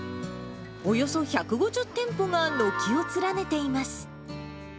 およそ１５０店舗が軒を連ねています。